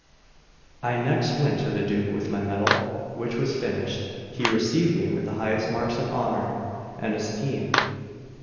I next went to the Duke with my medal, which was finished. He received me with the highest marks of honour and esteem.